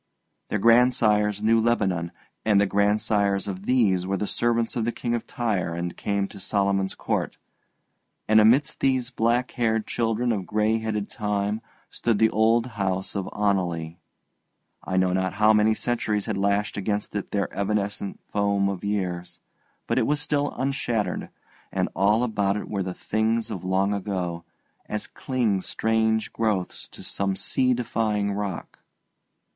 Their grandsires knew Lebanon, and the grandsires of these were the servants of the King of Tyre and came to Solomon's court. And amidst these black haired children of grey headed Time stood the old house of Oneleigh. I know not how many centuries had lashed against it their evanescent foam of years; but it was still unshattered, and all about it were the things of long ago, as cling strange growths to some sea defying rock.